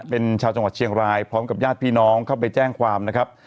เป็นชาวจังหวัดเชียงรายพร้อมกับญาติพี่น้องเข้าไปแจ้งความนะครับ